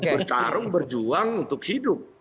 berjaruh berjuang untuk hidup